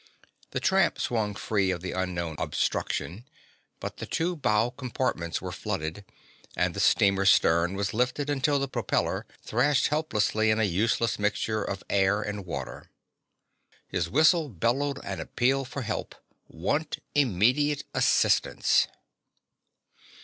The tramp swung free of the unknown obstruction, but the two bow compartments were flooded and the steamer's stern was lifted until the propeller thrashed helplessly in a useless mixture of air and water. Her whistle bellowed an appeal for help. "_Want immediate assistance!